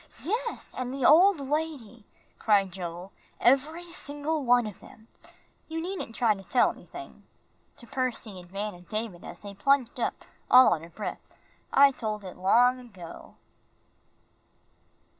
"Yes, and the old lady," cried Joel. "Every single one of them. You needn't try to tell anything," to Percy and Van and David, as they plunged up, all out of breath. "I told it all long ago."